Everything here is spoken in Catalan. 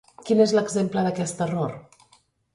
Quin és l'exemple d'aquest error?